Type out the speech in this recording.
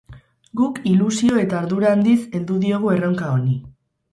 Guk ilusio eta ardura handiz heldu diogu erronka honi.